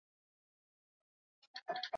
uso wa juu pembe kubwa ya uso